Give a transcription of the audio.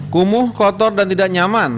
kumuh kotor dan tidak nyaman